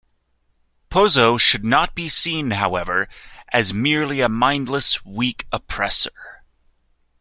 Pozzo should not be seen, however, as merely a mindless, weak oppressor.